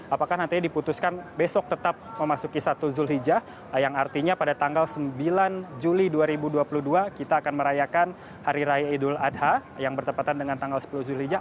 apakah nantinya diputuskan besok tetap memasuki satu zulhijjah yang artinya pada tanggal sembilan juli dua ribu dua puluh dua kita akan merayakan hari raya idul adha yang bertepatan dengan tanggal sepuluh zulhijjah